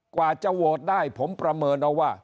กว่าจะโหวตได้ผมประเมินเอาว่า